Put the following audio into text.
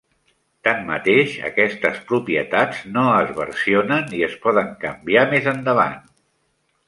Tanmateix, aquestes propietats no es versionen i es poden canviar més endavant.